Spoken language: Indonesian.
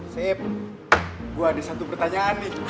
saya gua ada satu pertanyaan nih